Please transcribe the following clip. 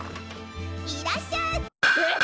いらっしゃえっ！？